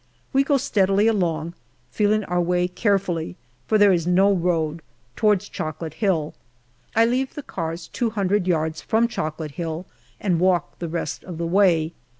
We go steadily along, feeling our way care fully, for there is no road, towards Chocolate Hill. I leave the cars two hundred yards from Chocolate Hill and walk the rest of the way.